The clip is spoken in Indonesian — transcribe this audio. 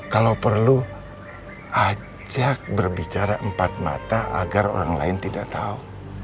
kalau perlu ajak berbicara empat mata agar orang lain tidak tahu